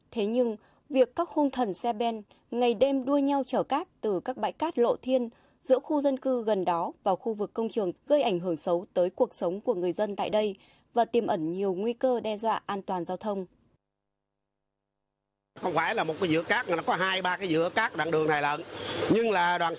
thế nhưng việc các khung thần xe ben ngày đêm đua nhau chở cát từ các bãi cát lộ thiên giữa khu dân cư gần đó vào khu vực công trường gây ảnh hưởng xấu tới cuộc sống của người dân tại đây và tiềm ẩn nhiều nguy cơ đe dọa an toàn giao thông